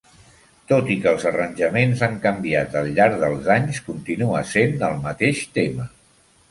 Tot i que els arranjaments han canviat al llarg dels anys, continua sent el mateix tema.